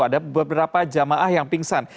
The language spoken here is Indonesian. ada beberapa jamaah yang pingsan